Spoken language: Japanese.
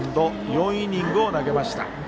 ４イニングを投げました。